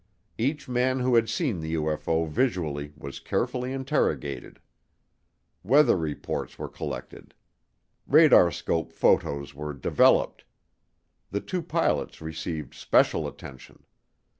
Each man who had seen the UFO visually was carefully interrogated. Weather reports were collected. Radarscope photos were developed. The two pilots received special attention.